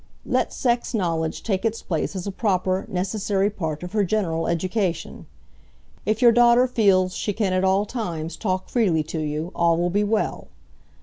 Let sex knowledge take its place as a proper, necessary part of her general education. If your daughter feels she can at all times talk freely to you all will be well.